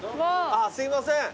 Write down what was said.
あっすいません